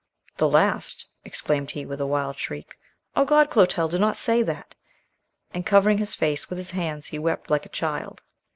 "The last?" exclaimed he, with a wild shriek. "Oh God, Clotel, do not say that"; and covering his face with his hands, he wept like a child.